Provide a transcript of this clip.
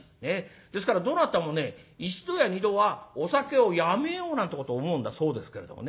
ですからどなたもね一度や二度はお酒をやめようなんてこと思うんだそうですけれどもね。